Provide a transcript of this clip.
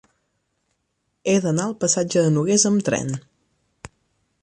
He d'anar al passatge de Nogués amb tren.